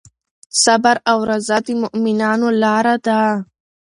صبر او رضا د مؤمنانو لاره ده.